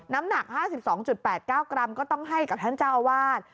น้ำหนัก๕๒๘๙กรัมก็ต้องให้กับท่านเจ้าอาวาส